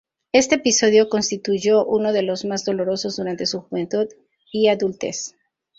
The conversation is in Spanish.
Este episodio constituyó uno de los más dolorosos durante su juventud y adultez.